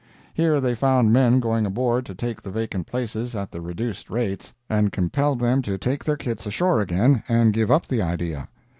Here they found men going aboard to take the vacant places at the reduced rates, and compelled them to take their kits ashore again, and give up the idea.